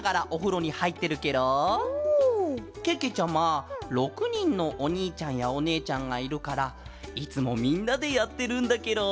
けけちゃま６にんのおにいちゃんやおねえちゃんがいるからいつもみんなでやってるんだケロ。